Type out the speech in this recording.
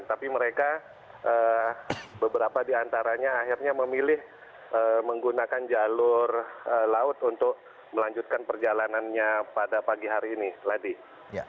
tapi mereka beberapa diantaranya akhirnya memilih menggunakan jalur laut untuk melanjutkan perjalanannya pada pagi hari ini